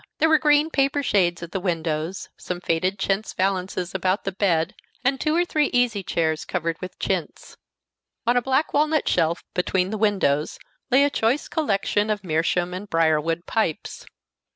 There were green paper shades at the windows, some faded chintz valances about the bed, and two or three easy chairs covered with chintz. On a black walnut shelf between the windows lay a choice collection of meerschaum and brier wood pipes.